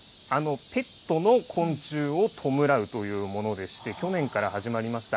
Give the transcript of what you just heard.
ペットの昆虫を弔うというものでして、去年から始まりました。